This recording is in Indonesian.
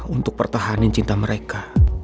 untuk pertahanin cinta mereka